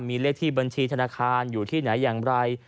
มีเลขที่บัญชีธนาคารอยู่ที่ไหนอย่างไร